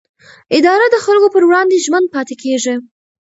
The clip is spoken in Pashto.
اداره د خلکو پر وړاندې ژمن پاتې کېږي.